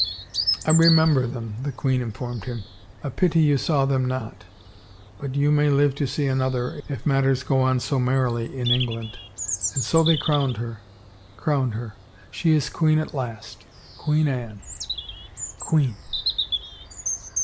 " I remember them," the queen informed him. " A pity you saw them not — but you may live to see an other, if matters go on so merrily in England. And so they crowned her ... crowned her. She is queen at last. Queen Anne. ... Queen!"